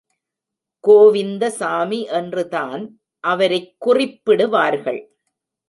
கோவிந்தசாமி என்றுதான் அவரைக் குறிப்பிடுவார்கள்.